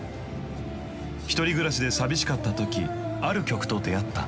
１人暮らしで寂しかった時ある曲と出会った。